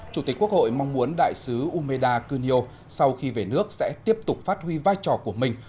chủ tịch quốc hội mong muốn đại sứ umeda kunio sau khi về nước sẽ tiếp tục phát huy vai trò của mình